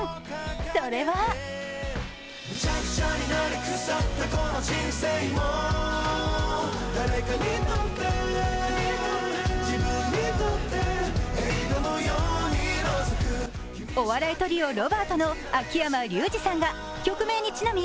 それはお笑いトリオ・ロバートの秋山竜次さんが曲名にちなみ